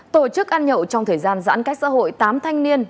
tổ chức ăn nhậu trong thời gian giãn cách xã hội tám thanh niên